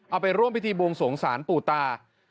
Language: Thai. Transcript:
เอาไปร่วมพิธีบวงสวงศาลปู่ตา